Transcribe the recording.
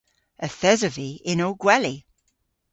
Yth esov vy yn ow gweli.